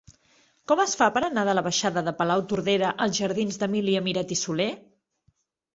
Com es fa per anar de la baixada de Palautordera als jardins d'Emília Miret i Soler?